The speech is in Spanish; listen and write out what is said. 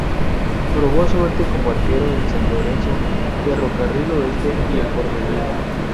Probó suerte como arquero en San Lorenzo, Ferro Carril Oeste y El Porvenir.